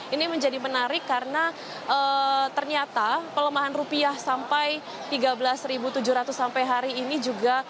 ini menjadi menarik karena ternyata pelemahan rupiah sampai tiga belas tujuh ratus sampai hari ini juga